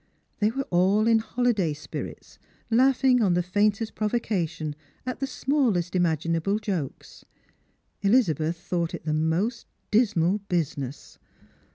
They were all in holiday spirits, laughing on the faintest provocation, at the smallest imaginable jokes. Elizabeth thought it the most dismal busi ness.